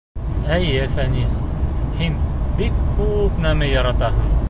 — Эйе, Фәнис, һин бик кү-ү-үп нәмә яратаһың.